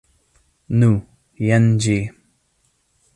Nu, jen ĝi.